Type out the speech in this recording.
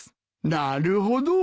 なるほど。